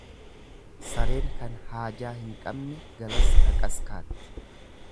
Sareen kan haajaa hin qabne galas dhaqas kaatti.